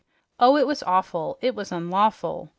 Oh, it was awful! It was unlawful!